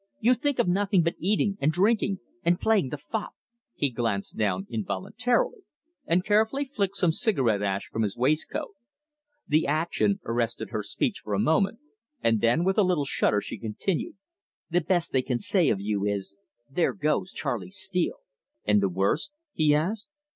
You think of nothing but eating, and drinking, and playing the fop." He glanced down involuntarily, and carefully flicked some cigarette ash from his waistcoat. The action arrested her speech for a moment, and then, with a little shudder, she continued: "The best they can say of you is, 'There goes Charley Steele!'" "And the worst?" he asked.